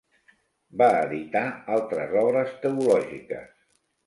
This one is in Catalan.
Va editar altres obres teològiques.